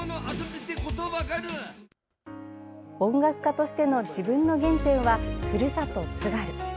音楽家としての自分の原点はふるさと津軽。